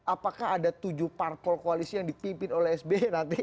apakah ada tujuh parkol koalisi yang dipimpin oleh sby nanti